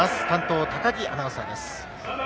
担当は高木アナウンサーです。